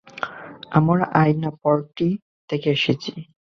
আমরা আয়নার্পট্টি থেকে এসেছি।